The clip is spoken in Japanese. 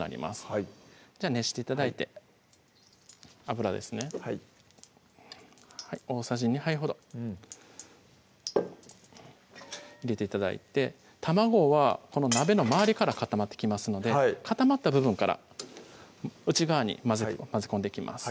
はいじゃあ熱して頂いて油ですね大さじ２杯ほど入れて頂いて卵はこの鍋の周りから固まってきますので固まった部分から内側に混ぜ込んでいきます